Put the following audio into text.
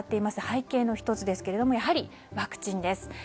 背景の１つですがやはり、ワクチンです。